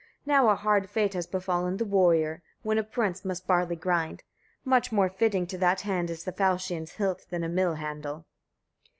Now a hard fate has befallen the warrior, when a prince must barley grind: much more fitting to that hand is the falchion's hilt than a mill handle.